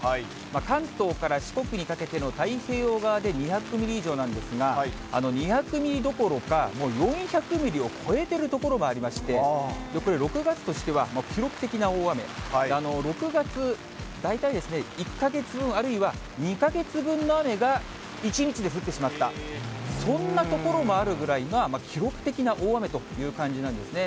関東から四国にかけての太平洋側で２００ミリ以上なんですが、２００ミリどころか、もう４００ミリを超えてる所もありまして、これ、６月としては記録的な大雨、６月、大体ですね、１か月分、あるいは２か月分の雨が１日で降ってしまった、そんな所もあるぐらいな記録的な大雨という感じなんですね。